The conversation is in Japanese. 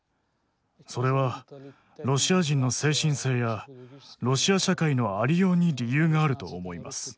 それはロシア人の精神性やロシア社会のありように理由があると思います。